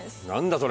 それ。